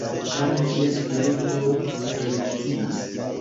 Tamen ŝia spirito erupciis.